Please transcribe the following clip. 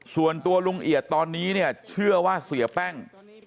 ส่วนตัวลุงเอียดตอนนี้เนี่ยเชื่อว่าเสียแป้ง